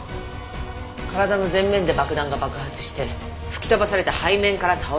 体の前面で爆弾が爆発して吹き飛ばされて背面から倒れた。